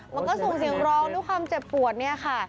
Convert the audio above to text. มันก็ส่งเสียงร้องด้วยความเจ็บปวดเนี่ยค่ะ